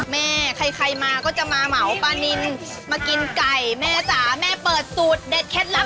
แม่ใครมาก็จะมาเหมาปลานินมากินไก่แม่จ๋าแม่เปิดสูตรเด็ดเคล็ดลับ